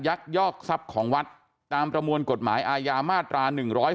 ยอกทรัพย์ของวัดตามประมวลกฎหมายอาญามาตรา๑๔